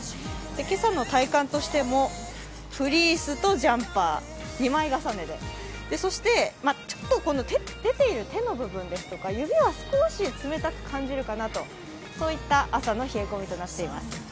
今朝の体感としてもフリースとジャンパー、２枚重ねでそして、出ている手の部分とか、指は少し冷たく感じるかなとそういった朝の冷え込みとなっています。